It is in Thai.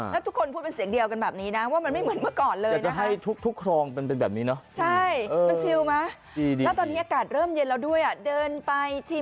แล้วทุกคนพูดเป็นเสียงเดียวกันแบบนี้นะ